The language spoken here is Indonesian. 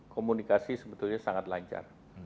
komunikasi sebetulnya sangat lancar